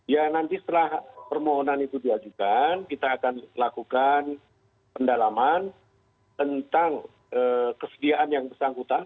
ya nanti setelah permohonan itu diajukan kita akan lakukan pendalaman tentang kesediaan yang bersangkutan